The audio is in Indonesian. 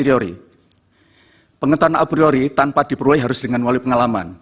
a priori pengetahuan a priori tanpa diperoleh harus dengan melalui pengalaman